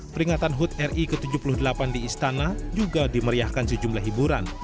peringatan hud ri ke tujuh puluh delapan di istana juga dimeriahkan sejumlah hiburan